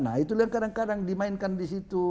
nah itulah yang kadang kadang dimainkan di situ